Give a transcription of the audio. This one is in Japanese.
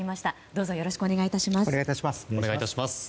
どうぞよろしくお願い致します。